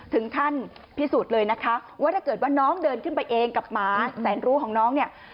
ท่านพิสูจน์เลยนะคะว่าถ้าเกิดว่าน้องเดินขึ้นไปเองกับหมาแสนรู้ของน้องเนี่ย